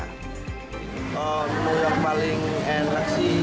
menurut mereka jeruan ini adalah menu yang paling enak sih